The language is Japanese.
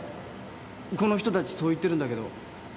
この人たちそう言ってるんだけど。